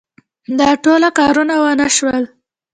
دا ټوله کارونه ونه شول.